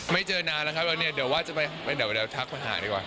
ไม่เจอนานแล้วครับเราจะไปทักคนหาดีกว่า